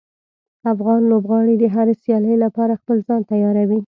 افغان لوبغاړي د هرې سیالۍ لپاره خپل ځان تیاروي.